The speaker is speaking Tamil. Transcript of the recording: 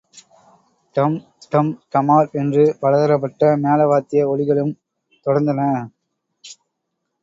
டம்... டம்... டமார் என்று பலதரப்பட்ட மேள வாத்திய ஒலிகளும் தொடர்ந்தன.